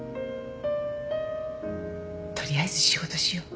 取りあえず仕事しよう。